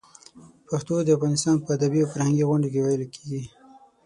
پښتو د افغانستان په ادبي او فرهنګي غونډو کې ویلې کېږي.